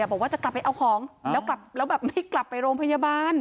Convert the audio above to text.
บอกว่าจะกลับไปเอาของแล้วไม่กลับไปโรงพยาบาล